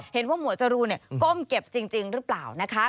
เห็นว่าหมัวจรูก้มเก็บจริงหรือเปล่านะคะ